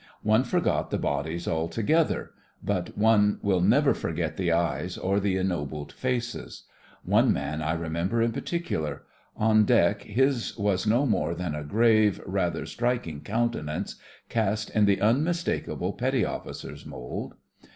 One forgot the bodies altogether — but one will never forget the eyes or the en nobled faces. One man I remember in particular. On deck his was no more than a grave, rather striking countenance, cast in the unmistak THE FRINGES OF THE FLEET 65 able petty officer's mould.